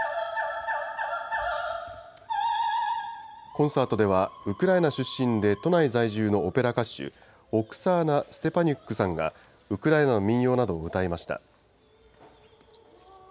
コンサートでは、ウクライナ出身で都内在住のオペラ歌手、オクサーナ・ステパニュックさんがウクライナの民謡などを歌いました。